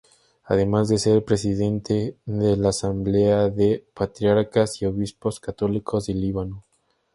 Además de ser Presidente de la Asamblea de Patriarcas y Obispos Católicos de Líbano.